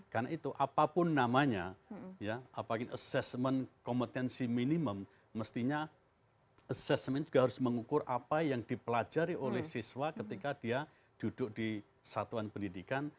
karena itu apapun namanya apalagi assessment kompetensi minimum mestinya assessment juga harus mengukur apa yang dipelajari oleh siswa ketika dia duduk di satuan pendidikan